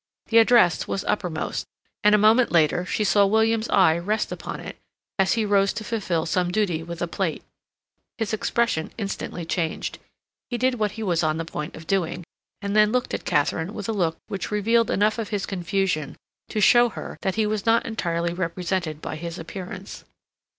The address was uppermost, and a moment later she saw William's eye rest upon it as he rose to fulfil some duty with a plate. His expression instantly changed. He did what he was on the point of doing, and then looked at Katharine with a look which revealed enough of his confusion to show her that he was not entirely represented by his appearance.